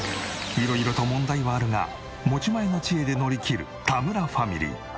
色々と問題はあるが持ち前の知恵で乗りきる田村ファミリー。